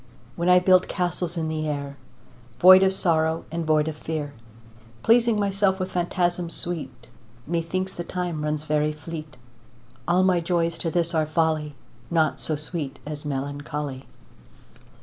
When I build castles in the air, Void of sorrow and void of fear, Pleasing myself with phantasms sweet, Methinks the time runs very fleet. All my joys to this are folly, Naught so sweet as melancholy.